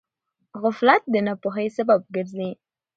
غفلت د ناپوهۍ سبب ګرځي.